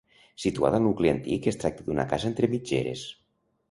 Situada al nucli antic, es tracta d'una casa entre mitgeres.